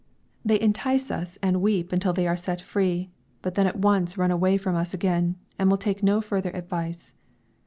They entice us and weep until they are set free, but then at once run away from us again, and will take no further advice.